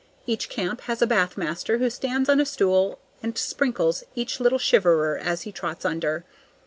Each camp has a bath master who stands on a stool and sprinkles each little shiverer as he trots under.